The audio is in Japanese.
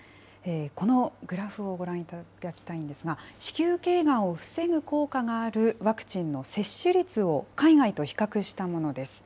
このグラフをご覧いただきたいんですが、子宮けいがんを防ぐ効果があるワクチンの接種率を海外と比較したものです。